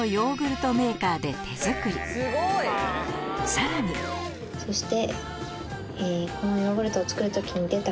さらにそして。